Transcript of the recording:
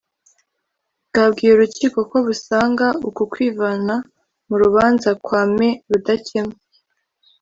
Bwabwiye urukiko ko busanga uku kwivana mu rubanza kwa Me Rudakemwa